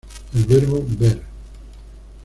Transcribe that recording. El verbo "ver".